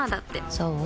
そう？